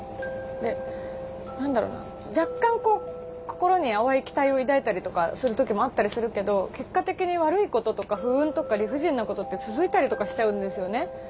で何だろうな若干こう心に淡い期待を抱いたりとかする時もあったりするけど結果的に悪いこととか不運とか理不尽なことって続いたりとかしちゃうんですよね。